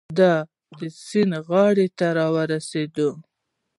د سیند غاړې ته را ورسېدو.